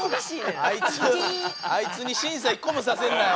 あいつに審査１個もさせんなよ。